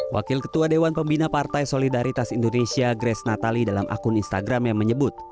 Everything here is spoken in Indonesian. wakil ketua dewan pembina partai solidaritas indonesia grace natali dalam akun instagramnya menyebut